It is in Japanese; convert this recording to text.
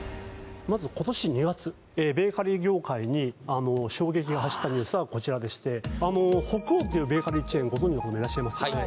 まず今年２月ベーカリー業界に衝撃が走ったニュースはこちらでしてＨＯＫＵＯっていうベーカリーチェーンご存じの方もいらっしゃいますよね